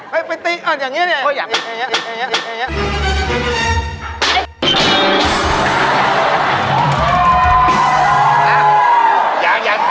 ไปตีอ่อนอย่างนี้อย่างนี้